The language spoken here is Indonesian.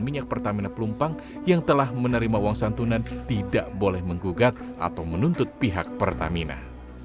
minyak pertamina pelumpang yang telah menerima uang santunan tidak boleh menggugat atau menuntut pihak pertamina